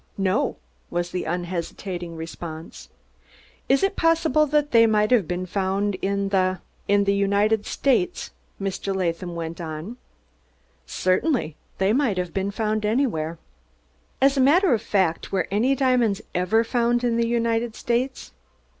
"No," was the unhesitating response. "Is it possible that they might have been found in the in the United States?" Mr. Latham went on. "Certainly. They might have been found anywhere." "As a matter of fact, were any diamonds ever found in the United States?"